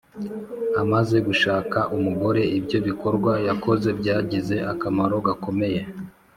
Amaze gushaka umugore ibyo bikorwa yakoze byagize akamaro gakomeye